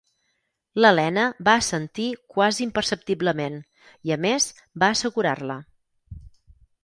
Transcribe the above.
L'Helena va assentir quasi imperceptiblement, i a més, va assegurar-la.